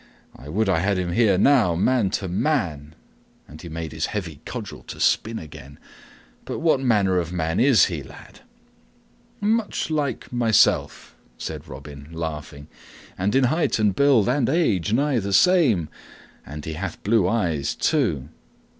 I would I had him here now, man to man!" And he made his heavy cudgel to spin again. "But what manner of man is he, lad? "Much like myself," said Robin, laughing, "and in height and build and age nigh the same; and he hath blue eyes, too."